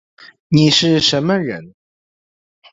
你是什么人